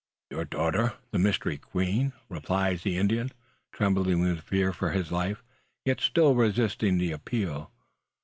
"Your daughter! the Mystery Queen!" replies the Indian, trembling with fear for his life, yet still resisting the appeal.